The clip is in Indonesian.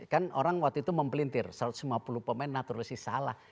kan orang waktu itu mempelintir satu ratus lima puluh pemain naturalisasi salah